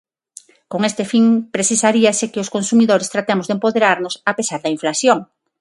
Con este fin precisaríase que os consumidores tratemos de empoderarnos, a pesar da inflación.